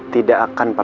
tidak akan paham